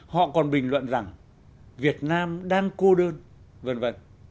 họ còn bình luận rằng việt nam đang cô đơn v v